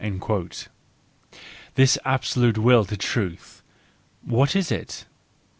—This absolute will to truth: what is it?